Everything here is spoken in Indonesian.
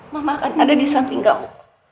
mama akan ada di samping kamu